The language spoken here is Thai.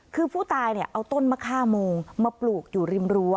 คือผู้ตายเอาต้นมะค่าโมงมาปลูกอยู่ริมรั้ว